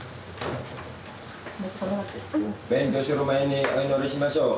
勉強する前にお祈りしましょう。